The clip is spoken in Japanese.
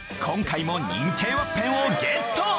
今回も認定ワッペンをゲット！